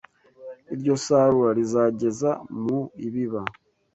iryo sarura rizageza mu ibiba